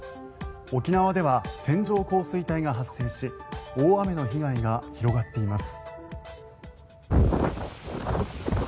沖縄では線状降水帯が発生し大雨の被害が広がっています。